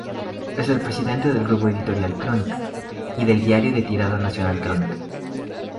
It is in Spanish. Es el presidente del Grupo Editorial Crónica, y del diario de tirada nacional Crónica.